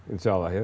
insya allah ya